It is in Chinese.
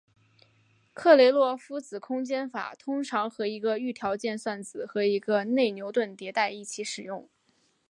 克雷洛夫子空间法通常和一个预条件算子和一个内牛顿迭代一起使用。